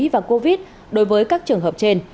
và covid đối với các trường hợp trên